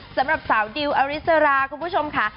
สำหรับสาวดิวอริสราคุณผู้ชมค่ะ